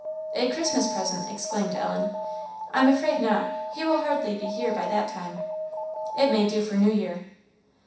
"A Christmas present!" exclaimed Ellen. "I am afraid not; he will hardly be here by that time. It may do for New Year."